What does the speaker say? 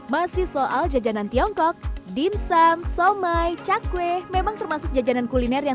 masih soal jajanan tiongkok dimsum somai cakwe memang termasuk jajanan kuliner yang